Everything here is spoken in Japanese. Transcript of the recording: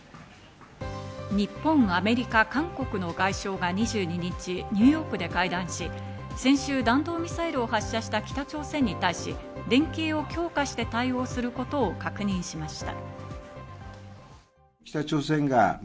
日本、アメリカ、韓国の外相が２２日、ニューヨークで会談し、先週、弾道ミサイルを発射した北朝鮮に対し、連携を強化して対応することを確認しました。